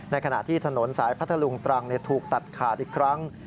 ขณะที่ถนนสายพัทธลุงตรังถูกตัดขาดอีกครั้ง